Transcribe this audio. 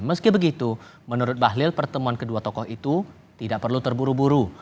meski begitu menurut bahlil pertemuan kedua tokoh itu tidak perlu terburu buru